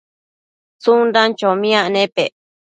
tsundan chomiac nepec